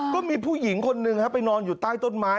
ก็มีผู้หญิงคนหนึ่งไปนอนอยู่ใต้ต้นไม้